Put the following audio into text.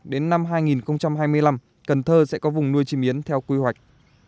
đến năm hai nghìn hai mươi năm cần thơ sẽ có vùng nuôi chim yến theo quy hoạch